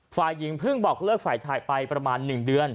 ฝ่ายหญิงเพิ่งบอกเลิกฝ่ายชายไปประมาณ๑เดือน